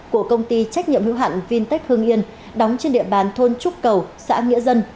công ty trách nhiệm hữu hẳn vintech hương yên đóng trên địa bàn thôn trúc cầu xã nghĩa dân